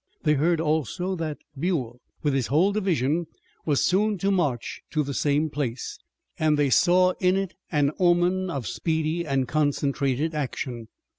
They heard also that Buell, with his whole division, was soon to march to the same place, and they saw in it an omen of speedy and concentrated action.